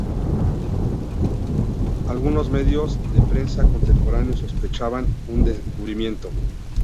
Algunos medios de prensa contemporáneos sospechaban un encubrimiento.